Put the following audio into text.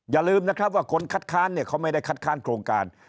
อย่าลืมนะครับว่าคนคัดค้านเนี่ยเขาไม่ได้คัดค้านโครงการ